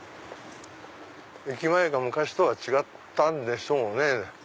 駅前が昔とは違ったんでしょうね。